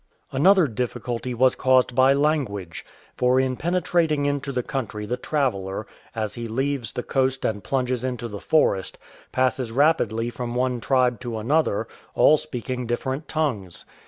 Another difficulty was caused by language, for in pene trating into the country the traveller, as he leaves the 230 RIVERS AND "ITABBOS" coast and plunges into the forest, passes rapidly from one tribe to another, all speaking different tongues.